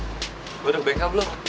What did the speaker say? gue ada bengkel belum